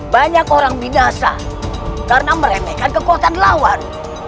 banyak orang minasa karena meremehkan kekuatan lawan